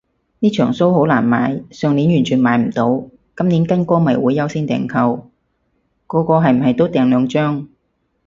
呢場騷好難買，上年完全買唔到，今年跟歌迷會優先訂購，個個係唔係都訂兩張